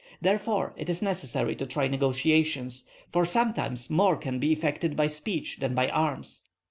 Therefore it is necessary to try negotiations, for sometimes more can be effected by speech than by arms."